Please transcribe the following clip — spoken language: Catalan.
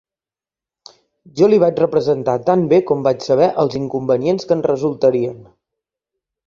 Jo li vaig representar tan bé com vaig saber els inconvenients que en resultarien.